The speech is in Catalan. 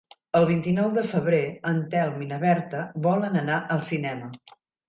El vint-i-nou de febrer en Telm i na Berta volen anar al cinema.